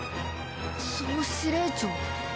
総指令長？